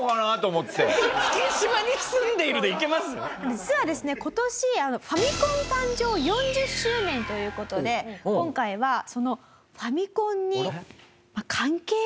実はですね今年ファミコン誕生４０周年という事で今回はそのファミコンに関係する激